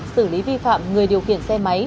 xử lý vi phạm người điều khiển xe máy